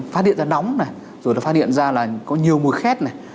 phát hiện ra nóng rồi phát hiện ra là có nhiều mùi khét